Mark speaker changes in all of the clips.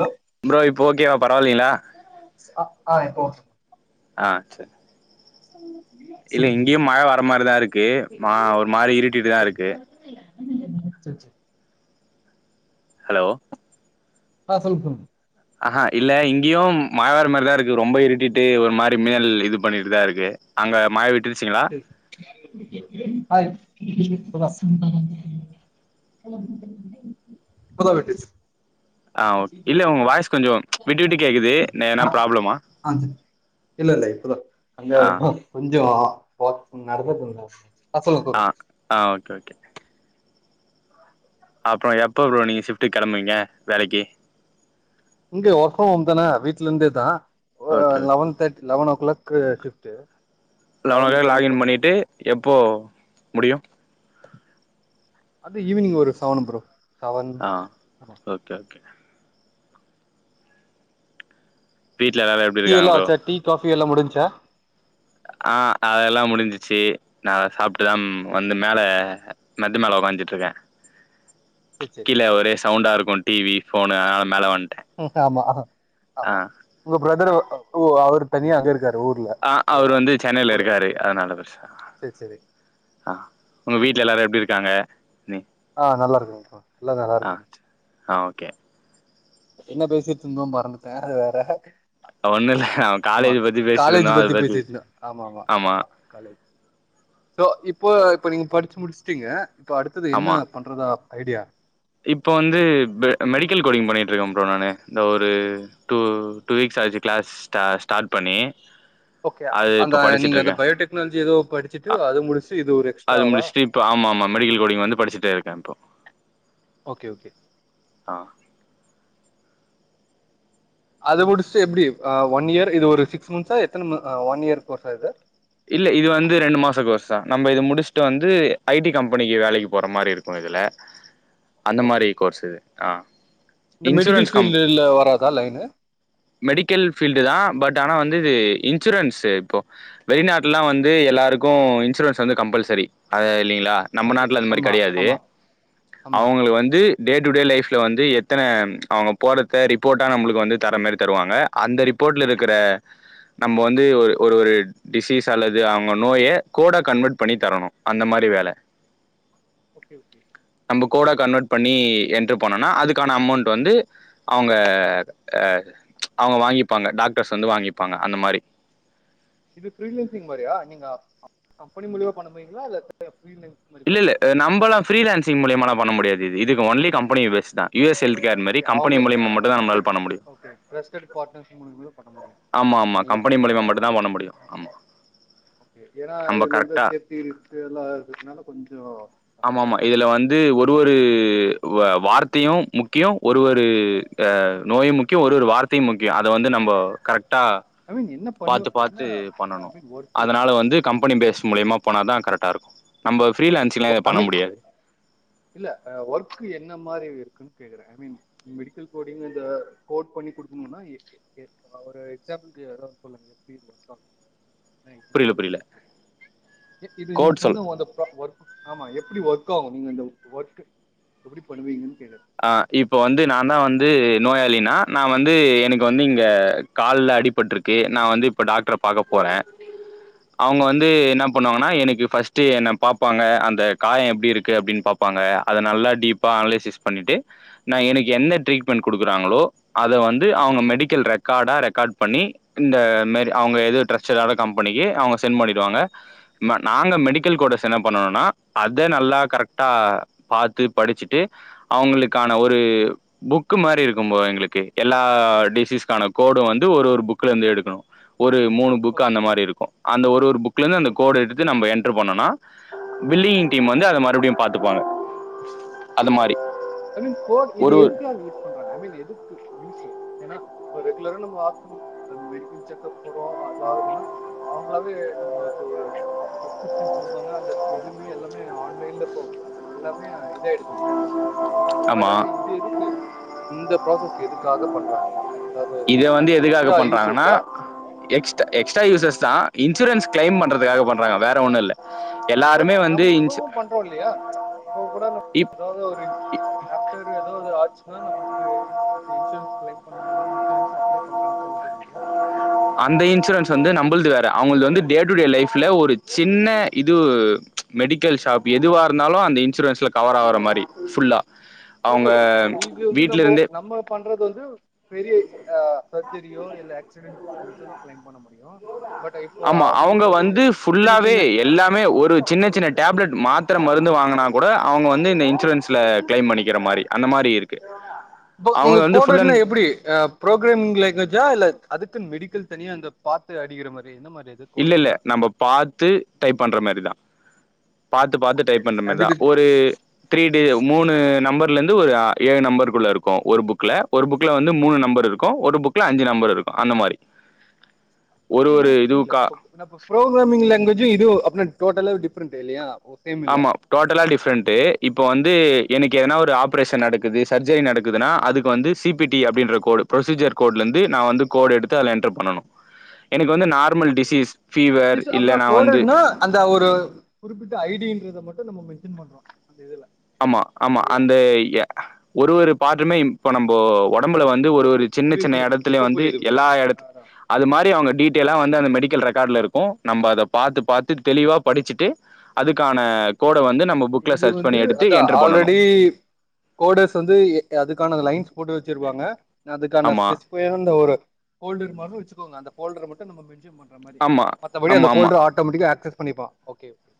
Speaker 1: Hello
Speaker 2: bro okay வா
Speaker 1: ஆ ஆ இப்போ வந்துரும்
Speaker 2: ஆ செரி
Speaker 1: ம்
Speaker 2: இல்ல இங்யு மழ வர மாரிதாருக்கு மா ஒரு மாரி இருட்டிட்டுதா இருக்கு
Speaker 1: செர் செர்
Speaker 2: ஹலோ
Speaker 1: ஆ சொல்லு ப்ரோ
Speaker 2: அஹா இல்ல இங்யு மழ வர்ர மாரிதாயிருக்கு ரொம்ப இருட்டிடு ஒரு மாரி மேல் இது பண்ணிட்டுதா இருக்கு அங்க மழ விட்டு
Speaker 1: [inaudible] ஹாய் இப்பதா வெட்டிச்சி
Speaker 2: ஆ ஓகே இல்ல உங்க வாய்ஸ் கொஞ்சோ விட்டு விட்டு கேக்குது ந எதனா
Speaker 1: ஆ
Speaker 2: ப்ராப்ளமா
Speaker 1: அது இல்ல இல்ல இப்ப தா அங்க
Speaker 2: ஆ
Speaker 1: கொஞ்சோ போ நடந்ததுன்ன
Speaker 2: ஆ ஆ ஓகே ஓகே அப்றோ எப்போ ப்ரோ நீங்க ஷிப்டுக் கிளம்புவீங்க வேலக்கி
Speaker 1: இங்க ஒஹோம் தனா வீட்ல இருந்தே தா ஒ
Speaker 2: ஓகே ஓகே
Speaker 1: லவன் தர்ட் லவனோ கிளக்கு ஷிஃப்ட்டு
Speaker 2: லவனோ
Speaker 1: லெவனுக்கு
Speaker 2: கிளாக்
Speaker 1: ஜாயின்
Speaker 2: லாகின்
Speaker 1: பண்ணோ
Speaker 2: பண்ணிட்டு எப் போ முடியு
Speaker 1: அபி ஈவினிங் ஒரு சவன் ப்ரோ செவன்
Speaker 2: ஆ
Speaker 1: ஆமா
Speaker 2: ஓகே ஓகே வீட்ல எல்லாரும் எப்டி
Speaker 1: டீ
Speaker 2: இருக்காங்க
Speaker 1: எல்லா
Speaker 2: ப்ரோ
Speaker 1: ஆச்சா டீ காஃபி எல்லா முடிஞ்சா
Speaker 2: ஆ அதெல்லா முடிஞ்சுச்சி நாங்க சாப் லம்
Speaker 1: சரி
Speaker 2: வந்து
Speaker 1: சரி
Speaker 2: மேல மெத்த மேல உக்காஜ்சிட்ருக்க
Speaker 1: சரி சரி
Speaker 2: கீழ ஒரே சவுண்டாருக் ஓன் டிவி ஃபோன் அதனால மேல வன்
Speaker 1: ஆமா ஆமா உங்க பிரதர் வர்னு டூ அவுரு தனியா அங்க இருக்கார்
Speaker 2: ஆ அவரு வந்து சென்னைல இருக்காரு அதனால பெருசா
Speaker 1: சேரி சேரி
Speaker 2: ஆ உங்க வீட்ல எல்லாரும் எப்டிரு காங்க நீ
Speaker 1: ஆ நல்லாருக்காங்க ப்ரோ
Speaker 2: ஆ சே ஆ ஓகே
Speaker 1: என்ன பேசிட்டு இருந்தோ மறந்துட்டே அது வேற
Speaker 2: ஒண்ணு இல்ல அவ
Speaker 1: ஆமா
Speaker 2: காலேஜ் பத்தி
Speaker 1: காலேஜ்
Speaker 2: பேசிட்ருந்தோ அத
Speaker 1: பத்தி பேசட்டுருந்தோ ஆமா மா ஆமா காலேஜ் சோ இப்போ இப்ப நீங்க படிச்சு முடிச்சுட்டீங்க இப்ப அடுத்தது என்ன
Speaker 2: ஆமா
Speaker 1: பண்றதா ஐடியா
Speaker 2: இப்போ வந்து மெடிக்கல் கோடிங் பண்ணிட்ருக்கே ப்றோ நானு இந்த ஒரு டூ டூ வீக்ஸ் ஆச்சு கிளாஸ் ஸ்ட ஸ்டார்ட் பண்ணி
Speaker 1: ஓகே
Speaker 2: அது
Speaker 1: அந்த
Speaker 2: இப்போ
Speaker 1: நீங்க
Speaker 2: படிச்சுட்டு
Speaker 1: அந்த
Speaker 2: இருக்கே
Speaker 1: பயோடெக்னாலஜி ஏதோ படிச்சுட்டு
Speaker 2: அ
Speaker 1: அது முடிச்சு இது ஒரு
Speaker 2: அது
Speaker 1: எக்ஸ்ட்ராவா
Speaker 2: முடிச்சுட்டு இப்ப ஆமா ஆமா மெடிக்கல் கோடிங் வந்து படிச்சட்டு இருக்கே இப்போ
Speaker 1: ஓகே ஓகே
Speaker 2: ஆ
Speaker 1: அது முடிச்சட்டு எப்டி ஒன் இயர் இது ஒரு சிக்ஸ் மந்த்ஸா எத்தன ஒன் இயர் கோர்ஸ்சா இது
Speaker 2: இல்ல இது வந்து ரெண்டு மாச கோர்ஸ் தா நம்ம இது முடிச்சுட்டு வந்து ஐ டி கம்பெனிக்கு வேலைக்கு போற மாரி இருக்கு இதுல. அந்த மாரி
Speaker 1: ஓகே
Speaker 2: கோர்ஸ் இது ஆ
Speaker 1: இந்த மெடிக்கல்
Speaker 2: இன்சூரன்ஸ் கம்
Speaker 1: ஃபீல்டுல வராதா லைனு
Speaker 2: மெடிக்கல் ஃபீல்டு தா பட் ஆனா வந்து இது இன்சூரன்ஸ் இப்போ வெளிநாட்டுலலா வந்து எல்லாருக்கு இன்சூரன்ஸ் வந்து கம்பல்சரி அத இல்ங்களா நம்ம
Speaker 1: ஓகே
Speaker 2: நாட்டில அந்த மாரி
Speaker 1: ஆமா
Speaker 2: கடையாது
Speaker 1: ஆமா ஆமா
Speaker 2: அவங்களுக்கு வந்து டேட் டு டே லைஃப்ல வந்து எத்தன அவங்க போறத்த ரிப்போர்ட்டா நம்ளுக்கு வந்து தர மாரி தருவாங்க அந்த ரிப்போர்ட்ல இருக்கிற நம்ம வந்து ஒரு ஒரு ஒரு டிசீஸ் அல்லது அவங்க நோய கோடா கன்வெர்ட் பண்ணி தரணு அந்த மாரி வேல
Speaker 1: ஓகே ஓகே
Speaker 2: நம்ப கோடா கன்வெர்ட் பண்ணி என்ட்ர் பண்ணோனா அதுக்கான அமௌண்ட் வந்து அவங்க அவங்க வாங்கிப்பாங்க டாக்டர்ஸ் வந்து வாங்கிப்பாங்க அந்த மாரி
Speaker 1: ஃப்ரீலான்சி்ங் மாரியா நீங்க கம்பெனி மூல்யமா பண்ண போறீங்களா இல்ல ஃப்ரீலான்சிங் மாரி
Speaker 2: இல்ல இல்ல
Speaker 1: பண்ணுவீங்களா
Speaker 2: நம்மளா ஃப்ரீலான்சிங் மூலியமாலா பண்ண முடியாது இதுக்கு ஒன்லி கம்பெனி பேஸ் தா யூ எஸ் ஹெல்த் கேர்
Speaker 1: [inaudible]
Speaker 2: மாரி கம்பெனி மூலியமா மட்டுந்தா நம்மளால பண்ண முடியு
Speaker 1: பண்ண முடியு
Speaker 2: ஆமா ஆமா
Speaker 1: தனியா பண்ண
Speaker 2: கம்பெனி
Speaker 1: முடியாது
Speaker 2: மூலியமா மட்டுந்தா பண்ண முடியு ஆமா
Speaker 1: ஏனா
Speaker 2: நம்ம
Speaker 1: இதுலவந்து
Speaker 2: கரெக்டா
Speaker 1: சேஃப்டி ரிஸ்க்யெல்லா இருக்கனால கொஞ்சோ
Speaker 2: ஆமாமா இதுல வந்து ஒரு ஒரு ஒரு வா வார்த்தையு முக்கியோ ஒரு ஒரு அ நோயு முக்கியோ ஒரு ஒரு வார்த்தையு முக்கியோ அத வந்து நம்ம கரெக்ட் டா
Speaker 1: ஐ மீன் என்ன பண்ணு
Speaker 2: பாத்து
Speaker 1: என்ன
Speaker 2: பாத்து
Speaker 1: ஐ
Speaker 2: பண்ணனு
Speaker 1: மீன் ஒர்க்
Speaker 2: அதனால
Speaker 1: இருக்குல்ல
Speaker 2: வந்து
Speaker 1: ஐ
Speaker 2: கம்பெனி
Speaker 1: மீன்
Speaker 2: பேஸ் மூலயமா போனா தா கரெட் டா இருக்கு நம்ம ஃப்ரீலான்ஸிங்லா
Speaker 1: ஐ
Speaker 2: பண்ண
Speaker 1: மீன்
Speaker 2: முடியாது
Speaker 1: இல்ல ஒர்க் என்ன மாரி இருக்குன்னு கேக்குறே ஐ மீன் மெடிக்கல் கோடிங் இந்த கோட் பண்ணி குடுக்கனுன்னா [unintelligible] எக்சாம்பிளுக்கு [inaudible] சொல்லுங்க
Speaker 2: புரியல, புரியல. கோட் சொல்.
Speaker 1: [inaudible] ஆமா எப்படி ஒர்க் ஆகு நீங்கந்த ஒர்க்கு எப்படி பண்ணுவீங்க
Speaker 2: ஆ இப்போ வந்து நா தா வந்து நோயாளினா நா வந்து எனக்கு வந்து இங்க காலில் அடிபருக்கு நா வந்து இப்போ டாக்டர பார்க்க போறே அவங்க
Speaker 1: ஓகே
Speaker 2: வந்து என்ன பண்ணுவாங்க எனக்கு பஸ்ட் என பாபாங்க அந்த காயம் எப்படி இருக்கு அப்படின்னு பாபாங்க அத நல்லா டீப்பா அனலைசிஸ் பண்ணிட்டு நா எனக்கு எந்த ட்ரீட்மெண்ட் கொடுக்குறாங்களோ அத வந்து அவங்க மெடிக்கல் ரெக்கார்ட ரெகார்ட் பண்ணி இந்த மாதிரி டிரஸ்டேட் ஆன கம்பெனிக்கு அவங்க சென் பண்ணிடுவாங்க ஆமா நாங்க
Speaker 1: ஓகே
Speaker 2: மெடிக்கல் கோடர்ஸ் என பண்ணணும்னா அதே நல்லா கரெக்டா பார்த்து படிச்சுட்டு அவங்களுக்கான ஒரு
Speaker 1: ஓகே
Speaker 2: புக்கு மாரி இருக்கும்ப எங்களுக்கு எல்லா டிசீஸ்க்கான கோடும் வந்து ஒரு ஒரு புக்ல இருந்து எடுக்கணு ஒரு மூணு புக்
Speaker 1: ஓகே
Speaker 2: அந்த மாரி இருக்கு அந்த ஒரு ஒரு புக்லேருந்து அந்த
Speaker 1: ஓகே
Speaker 2: கோடு எடுத்து நம்ம என்ட்ர் பண்ணோன்னா வில்லிங்கிங்
Speaker 1: ஓகே
Speaker 2: டீம் வந்து அத மறுபடியு பார்த்துப்பாங்க அது மாரி
Speaker 1: ஐ மீன் கோ இது
Speaker 2: ஒரு ஒரு
Speaker 1: எதுக்கு யூஸ் பண்றாங்க ஐ மீன் எதுக்குயூஸ் ஏன்னா ரெகுலரா வாரத்துக்கு நம்ம பண்ணி மெடிக்கல் செக்அப் போறோ அது ஆகுதுன்னா அவங்களாவே நம்ம ஒரு பிரஸ்கிரிப்ஷன் கொடுப்பாங்க அந்த எதுவுமே எல்லாமே ஆன்லைன்ல இப்போ எல்லாமே இதாயிடுது இல்லையா பட்
Speaker 2: ஆமா
Speaker 1: ஆனா இது எதுக்கு இந்த ப்ராசஸ் எதுக்காக பண்றாங்க அதாவது
Speaker 2: இத வந்து எதுக்காக
Speaker 1: எக்ஸ்ட்ரா யூஸ்
Speaker 2: பண்றாங்கன்னா
Speaker 1: இருக்கா
Speaker 2: எக்ஸ்
Speaker 1: ஓகே
Speaker 2: எக்ஸ்ட்ரா யூசஸ் தா இன்சூரன்ஸ் கிளைம் பண்றது வேலை பண்றாங்க வேற ஒண்ணு இல்ல
Speaker 1: பட்
Speaker 2: எல்லாருமே வந்து
Speaker 1: நம்ம
Speaker 2: இன்சு
Speaker 1: இப்பவு பண்றோ இல்லையா இப்ப கூட
Speaker 2: இப்
Speaker 1: ஏதாவது ஒரு ஆ ஏதாவது ஆச்சுன்னா நம்ம இ இன்சூரன்ஸ் கிளைம் பண்ண முடியு [unintelligible] அப்ளை பண்றாங்க சில பேரு இல்லையா
Speaker 2: அந்த இன்சூரன்ஸ் வந்து நம்மளுது வேற அவங்கது வந்து டே டு டே லைஃப்பில் ஒரு சின்ன இது மெடிக்கல் ஷாப் எதுவாக இருந்தாலு அந்த இன்சூரன்ஸில் கவர் ஆகிற மாரி ஃபுல்லா அவங்க
Speaker 1: ஓகே இது வந்து
Speaker 2: வீட்ல
Speaker 1: நம்ம
Speaker 2: இருந்தே
Speaker 1: நம்ம பண்றது வந்து பெரி ஆ சர்ஜரியோ இல ஆக்சிடெட் முடிச்சதா கிளைம் பண்ண முடியு
Speaker 2: ஆமா அவங்க வந்து
Speaker 1: சின்ன
Speaker 2: புல்லாவே
Speaker 1: சின்ன
Speaker 2: எல்லாமே ஒரு சின்ன சின்ன டேப்லெட் மாத் மாத்திர மருந்து வாங்கினா கூட அவங்க வந்து இந்த இன்சூரன்ஸ்ல கிளைம் பண்ணிக்கிற மாரி அந்த மாரி இருக்கு அவங்க
Speaker 1: இப்ப
Speaker 2: வந்து ஃபுல்
Speaker 1: கோடர்னா
Speaker 2: அண்ட்
Speaker 1: எப்படி ஆ ப்ரோக்ராமிங் லாங்குவேஜ இல்ல அதுக்கு மெடிக்கல் தனியா அந்த பாத்து அடிகிற மாரி என்ன மாரி அது
Speaker 2: இல்ல இல்ல
Speaker 1: கோடட்னா?
Speaker 2: நம்ம பார்த்து டைப் பண்ற மாரி தா பாத்து பாத்து
Speaker 1: ஓகே.
Speaker 2: டைப் பண்ற மாரி தா
Speaker 1: அதுக்கு
Speaker 2: ஒரு த்ரீ டே மூணு நம்பர் உள்ளந்து ஒரு ஆ ஏழு நம்பருக்குள்ள இருக்கு ஒரு புக்ல ஒரு புக்ல வந்து மூணு நம்பர் இருக்கு ஒரு புக்ல அஞ்சு நம்பர் இருக்கு அந்த மாரி ஒரு ஒரு இதுவு
Speaker 1: இப்ப என்னப்ப ஃப்ரோகிரமிங் லாங்வேஜு இது அப்புன டோட்டலாவெ டிப்ரண்ட்டு இல்லயா
Speaker 2: ஆமா டோட்டலா டிஃப்ரெண்ட் டு இப்ப வந்து எனக்கு எதனா ஒரு ஆப்ரேஷன் நடக்குது சர்ஜரி நடக்குதுனா அதுக்கு வந்து சி பி டி அப்டின்ற கோடு ப்ரொஸிஜர் கோட்லந்து நா வந்து கோட் எடுத்து அதுல என்டர் பண்ணனு எனக்கு வந்து normal
Speaker 1: okay.
Speaker 2: Disease fever
Speaker 1: this
Speaker 2: இல்ல
Speaker 1: அப்டின்னா
Speaker 2: நா‌ வந்து
Speaker 1: கோடட்னா அந்த ஒரு குறிப்பிட்ட ஐ டி ன்றத மட்டு நம்ம மென்ஷன் பண்றோ
Speaker 2: ஆமா ஆமா அந்த ய ஒரு ஒரு பார்ட்டுமே இப்ப நம்ப ஒ டம்புல வந்து ஒரு ஒரு
Speaker 1: ஓகே
Speaker 2: சின்ன
Speaker 1: புரியுது
Speaker 2: சின்ன
Speaker 1: புரியுது
Speaker 2: எடத்துலயு
Speaker 1: இப்ப
Speaker 2: வந்து
Speaker 1: புரியுது ப்ரோ
Speaker 2: எல்லா எடத்
Speaker 1: அதான்
Speaker 2: அது மாரி அவுங்க டீட்டய்லா வந்து அந்த மெடிக்கல் ரெக்கார்ட்ல இருக்கு நம்ப அத பாத்து பாத்து தெளிவா படுச்சுட்டு அதுக்கான கோ ட வந்து நம்ம புக்ல சர்ச் பண்ணி எடு
Speaker 1: தா ஆல்ரெடி கோடர்ஸ் வந்து அதுக்கான ல லைன்ஸ் போட்டு வச்சிருபாங்க அதுக்கான
Speaker 2: ஆமா
Speaker 1: ஸ்பெசிபயந்த ஒரு போல்டர் மாரிதா வச்சு கோங்க அந்த ஃபோல்டர் மட்டு நம்ம மென்ஷன் பண் ன்றமாரி
Speaker 2: ஆமா
Speaker 1: மத்தபடி
Speaker 2: ஆமா
Speaker 1: அந்த
Speaker 2: ஆமா
Speaker 1: ஃபோல்டர் ஆட்டோமெட்டிகா ஆக்ஸஸ் பண்ணிப்பா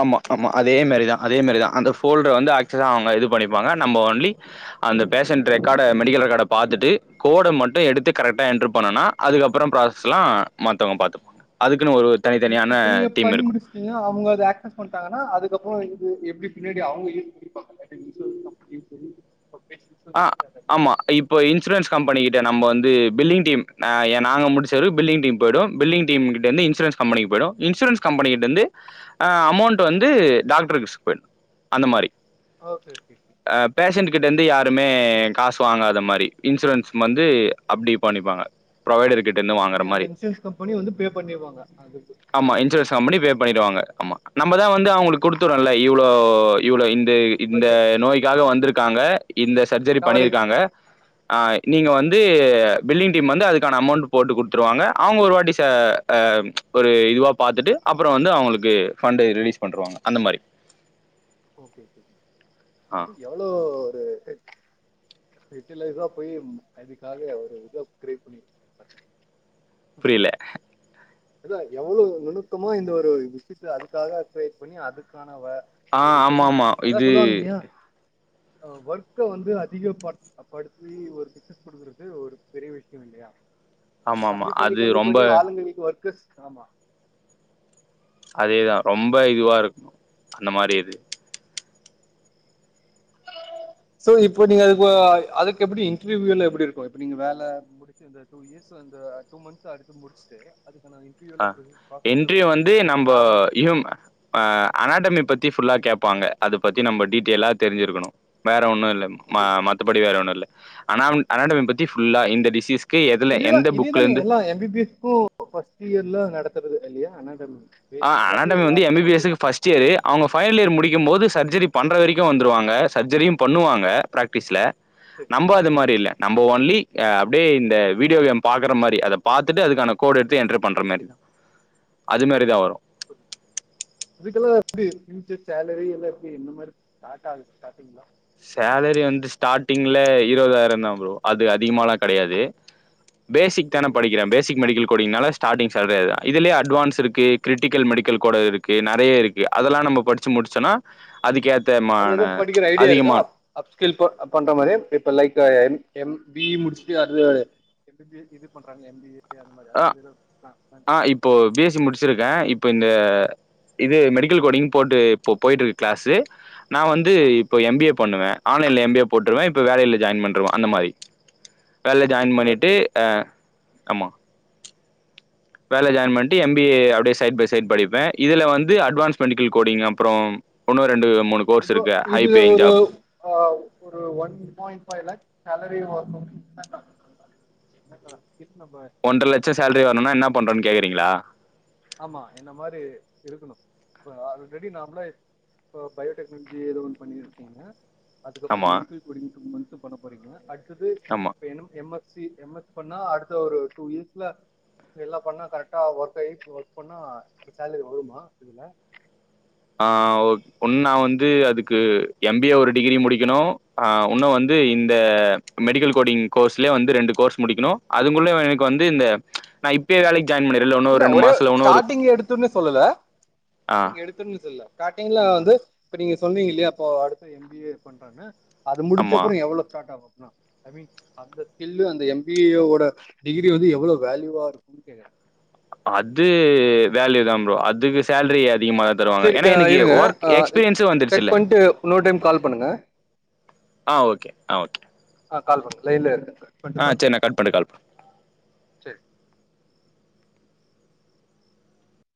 Speaker 2: ஆமா ஆமா அதே மாரிதா அதே மாரிதா அந்த ஃபோல்டர் வந்து ஆக்சஸ அவுங்க இது பண்ணிப்பாங்க நம்ம ஓன்லி அந்த பேஷண்ட் ரெக்கார்ட மெடிக்கல் ரெக்கார்ட பாத்துட்டு கோட மட்டு எடுத்து கரெக்டா என்ட்ரு பண்ணொனா அதுக்கப்புறொ ப்ராசஸ்லா மத்தவுங்க பாத்துப்பாங்க அதுக்குன்னு ஒரு
Speaker 1: இப்
Speaker 2: தனித்தனியான
Speaker 1: இப்ப நீங்க
Speaker 2: டீம்
Speaker 1: பண்ணி
Speaker 2: இருக்கு
Speaker 1: முடுச்டீங்க அவுங்க அத ஆக்ஸ ஸ் பண்டாங்கனா அதுக்கப்றொ இது எப்டி பின்னாடி அவுங்க யூஸ் பண்ணிப்பாங்க [unintelligible]
Speaker 2: அ ஆமா இப்ப இன்சூரன்ஸ் கம்பெனி கிட்ட நம்ம வந்து பில்லிங் டீம் ந எ நாங்க முடுச்சரு பில்லிங் டீம் போயிடு பில்லிங் டீம்கிட்டந்து இன்சூரன்ஸ் கம்பனிக்கு போயிடு இன்சூரன்ஸ் கம்பனிகிட்டந்து அ அமௌண்ட் டு வந்து டாக்ட்ர்க்கு போய்னு அந்த மாரி
Speaker 1: ஓ செர் செர் செரி
Speaker 2: கிட்டந்து யாரு மே காசு வாங்காத மாரி இன்சூரன்ஸ் வந்து அப்டி பண்ணிப்பாங்க ப்ரொவைடரு இங்கிட்ட இருந்து
Speaker 1: ஐ
Speaker 2: வாங்கற
Speaker 1: மீன் அந்த
Speaker 2: மாரி
Speaker 1: இன்சூரன்ஸ் கம்பெனி வந்து பே பண்ணிடுவாங்க அதுக்கு
Speaker 2: ஆமா
Speaker 1: அவங்களுக்காக
Speaker 2: இன்சூரன்ஸ் கம்பெனி பே பண்ணிடுவாங்க ஆமா நம்ம தா வந்து
Speaker 1: ஓகே
Speaker 2: அவங்களுக்கு கொடுத்துடுரன்ல இ ஆ இவ்ளோ இந் தே இந்த
Speaker 1: பட்ஜெட் ஆமா
Speaker 2: நோய்க்காக வந்திருக்காங்க இந்த சர்ஜரி
Speaker 1: கவரேஜ்
Speaker 2: பண்ணியிருக்காங்க ஆ நீங்க வந்து பில்டிங் டீம் வந்து அதுக்கான அமௌண்ட் போட்டு குடுத்துருவாங்க அவங்க ஒரு வாட்டி ச அ ஒரு இதுவா பாாரத்துட்டு அப்புற வந்து அவங்களுக்கு ஃபண்ட ரிலீஸ் பண்ணிருவாங்க அந்த மாரி
Speaker 1: ஓகே ஓகே
Speaker 2: ஆ
Speaker 1: எவ்ளோ ஆ [unintelligible] போய் அதுக்காக ஒரு உத கிரேட் பண்ணி
Speaker 2: புரியல
Speaker 1: இல்ல எவ்வளவு நுணுக்கமா இந்த ஒரு விஷயத்த அதுக்காக பண்ணி அதுக்கான வே
Speaker 2: ஆ ஆமா ஆமா இது
Speaker 1: அ ஒர்க்க வந்து அதிக படுத் படுத்தி ஒரு பிசினஸ் குடுக்கிறது ஒரு பெரிய விஷய இல்லையா
Speaker 2: ஆமாமா.
Speaker 1: கம்மி பண்ணி
Speaker 2: அது
Speaker 1: கம்மி
Speaker 2: ரொம்ப
Speaker 1: பண்ணி ஆளுங்க இதுக்கு ஒர்க் கஸ்காமா
Speaker 2: அதேதா ரொம்ப இதுவா இருக்கணு அந்த மாரி இது
Speaker 1: சோ இப்பங்க அது அதுக்கு எப்படி இன்டர்வியூல எப்ப இருக்கும்ங்க வேலை [inaudible]
Speaker 2: அ
Speaker 1: ப்ராசஸ் எல்லாம்
Speaker 2: இன்டர்வியூ
Speaker 1: எப்படி
Speaker 2: வந்து
Speaker 1: எப்படி
Speaker 2: நம்ம
Speaker 1: நார்மல்
Speaker 2: ஆம் ஆ அனாடமி பத்தி ஃபுல்லா கேட்பாங்க அத பத்தி நம்ம டீட்டெயலா தெரிஞ்சிருக்கணு வேற ஒன்னு இல்ல மா
Speaker 1: ஓகே இது
Speaker 2: மற்றத்தப்படி வேறவோன்னுல்ல அனாமி அனடி பத்தி புஃல்லா இந்த டிசீஸ்
Speaker 1: இததா இத இதானே எல்லா எம் பிபிஎஸ் குட தீயர்லா நடத்துறது இல்லயா [unintelligible]
Speaker 2: ஆ அனாடமி வந்து எம்பிபிஎஸ்கு ஃபர்ஸ் இயர் அவங்க பைனல் இயர் முடிக் கும் போது சர்ஜரி பண்ற வரைக்கு வந்துருவாங்க சர்ஜரியு பண்ணுவாங்க பிராக்டிஸ்ல
Speaker 1: சரி
Speaker 2: நம்ம அது மாரி
Speaker 1: ஓகே
Speaker 2: இல்ல நம்ப ஒன்லி யா அப்படியே இந்த வீடியோ கேம் பாக்குற மாரி அத பார்த்துட்டு அதுக்கான கோடு எடுத்து என்ட்ரி பண்ற மாரி தா அது மாதிரி தா வரும்
Speaker 1: அதுக்கெல்லா வந்து மந்த் சேலரி எல்லா எப்படி என் மாதிரி ஸ்டார்டிங்ல
Speaker 2: சேலரி வந்து ஸ்டார்ட்டிங்ல இருபதாயிரம் தா ப்ரோ அது அதிகமாலா கிடையாது பேசிக் தான
Speaker 1: சரி
Speaker 2: படிக்கிற பேசிக் மெடிக்கல் கோடிங்னால ஸ்டார்டிங் சேலரி அதுதா இதிலேயே அட்வான்ஸ் இருக்கு கிரிட்டிகள் மெடிகள்கோட்ர் இருக்கு நெறைய இரு அதெல்லா நம்ம படிச்சி முடிச்சோனா அதுக்கேத்த
Speaker 1: அது
Speaker 2: மான
Speaker 1: எதுவும் படிக்கிற ஐடியா இருக்கா அ ட்டில் போ பண்ற மாரி இப்ப லைகா எம் எம்பி முடிச்சிட்டு அது எபெம்பியே இது பன்றாங்க எம்பியே
Speaker 2: ஆ ஆ இப்போ பிஎசி முடிச்சிருக்கே இப்போ இந்த இது மெடிக்கல் கோடிங் போட்டு போ போயிட்டு இருக்கு கிளாஸு நா வந்து
Speaker 1: ஆமா
Speaker 2: இப்போ எம்பிஏ பண்ணுவே ஆன்லைன்ல எம்பிஏ போட்டுருவே இப்போ வேலையில ஜாயின் பண்ணறவன் அந்த மாரி வேல
Speaker 1: ஓகே
Speaker 2: ஜாயின் பண்ணிட்டு
Speaker 1: கரெக்ட்ல
Speaker 2: அ அமா வேல ஜாயின் பண்ணிட்டு எம் பி ஏ அப்பிடியே சைட் பை சைட் படிப்பே இதுல வந்து அட்வான்ஸ் மெடிக்கல் கோடிங் அப்புறோ ஒன்னு ரெண்டு மூணு கோர்ஸ்
Speaker 1: இப்போ
Speaker 2: இருக்கு ஹை
Speaker 1: இது
Speaker 2: பேயிங்
Speaker 1: ஒது
Speaker 2: ஜாப்
Speaker 1: ஆ ஒரு ஒன் பாயிண்ட் [unintelligible] கிட்டணப
Speaker 2: ஒன்ற
Speaker 1: கத்துக்க
Speaker 2: லட்ச
Speaker 1: உன்ன
Speaker 2: சேலரி
Speaker 1: மாரி
Speaker 2: வரணுனா என்ன பண்றோன் கேக்குறீங்களா
Speaker 1: ஆமா என்ன மாரி இருக்கணு இப்ப ஆல்ரெடி நாமள போ பயோடெக்னாலஜி ஏதோ ஒன்னு பண்ணிருக்கீங்க அதுக்கப்பும்
Speaker 2: ஆமா
Speaker 1: மெடிக்கல் போடிங் டூ மன்த் த்து பண்ண போறீங்க அ க்குது
Speaker 2: ஆமா
Speaker 1: இப்ப என் M M S C MS பண்ணா அடுத்த ஒரு டூ இயர்ஸ்ல எல்லா பண்ணா கரெக்டா ஒர்க்காயி ஒர்க் பண்ணா சேலரி வருமா இதுல
Speaker 2: ஆ ஓக் ஒண்ணா வந்து அதுக்கு எம்பிஏ ஒரு டிகிரி முடிக்கணு ஆ உன்னு வந்து
Speaker 1: ஓகே
Speaker 2: இந்த மெடிக்கல் கோடிங் கோர்ஸ்லே வந்து ரெண்டு கோர்ஸ் முடிக்கணு அதுங்கள்ள எனக்கு வந்து இந்த நா இப்பய வேலைக்
Speaker 1: இல்ல ஒரே ஸ்டார்டிங் எடுத்துன்னு சொல்லல
Speaker 2: ஆ
Speaker 1: ஸ்டார்ட்டிங் எடுத்தோனே சொல்லல ஸார்டிங்ல வந்து இப்ப நீங்க சொன்னி நீங்க இல்லையா அப்போ அடுத்த எம்பிஏ பண்றேன்ன அது
Speaker 2: ஆமா
Speaker 1: முடிச்சப்புறோ எவ்ளோ ஸ்டார்ட் ஆவு ஐ மீன் அந்த ஃபீல்டு அந்த எம்பிவோட டிகிரி வந்து எவ்ளோ வேல்யூவா இருக்ககுனு கேக்கறே
Speaker 2: அது வேல்யூ தா ப்ரோ அதுக்கு சேல்ரி
Speaker 1: சேரிகா இருங்க அ
Speaker 2: எக்ஸ்பீரியன்ஸு
Speaker 1: கட்
Speaker 2: வந்துருச்சுல்ல
Speaker 1: பண்ணிட்டு இன்னொரு டைம் கால் பண்ணுங்க
Speaker 2: ஆ ஓகே ஆ ஓகே
Speaker 1: ஆ கால் பண்ணு லைன்ல இரு கட் பண்ணிட்டு
Speaker 2: ஆ
Speaker 1: கால்
Speaker 2: சரி நா
Speaker 1: பண்
Speaker 2: கட் பண்ணிட்டு கால் பண்றே
Speaker 1: சே